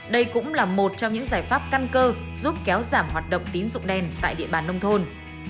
đây cũng là một trong những giải pháp căn cơ giúp kéo giảm hoạt động tín dụng đen tại địa bàn nông thôn